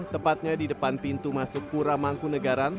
tepatnya di depan pintu masuk pura mangkunagaran